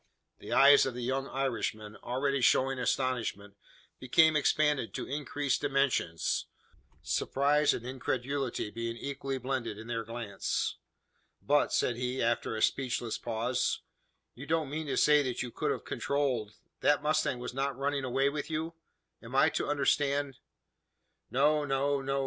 The eyes of the young Irishman, already showing astonishment, became expanded to increased dimensions surprise and incredulity being equally blended in their glance. "But," said he, after a speechless pause, "you don't mean to say that you could have controlled that the mustang was not running away with you? Am I to understand " "No no no!"